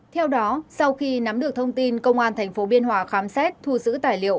theo đó sau khi nắm được thông tin công an tp biên hòa khám xét thu giữ tài liệu